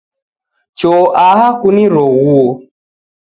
Choo aha kuniroghuo.